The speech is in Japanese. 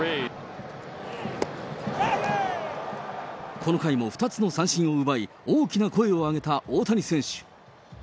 この回も２つの三振を奪い、大きな声を上げた大谷選手。